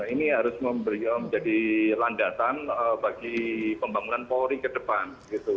ini harus menjadi landasan bagi pembangunan polri ke depan